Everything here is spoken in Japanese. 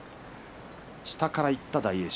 下からいった大栄翔。